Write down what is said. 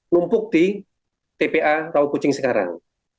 numpuk di tpa tau kucing sekarang